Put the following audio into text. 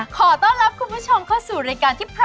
ขอต้อนรับคุณผู้ชมเข้าสู่รายการที่พร้อม